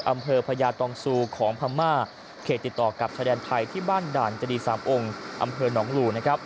พญาตองซูของพม่าเขตติดต่อกับชายแดนไทยที่บ้านด่านจดีสามองค์อำเภอหนองหลู่